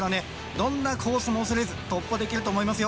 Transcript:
どんなコースも恐れず突破できると思いますよ